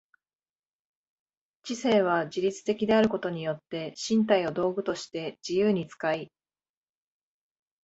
知性は自律的であることによって身体を道具として自由に使い、